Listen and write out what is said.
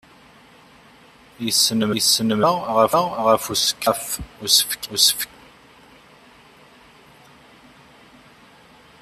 Yesnemmer Yuba ɣef usefk-nni.